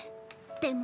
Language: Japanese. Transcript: でも。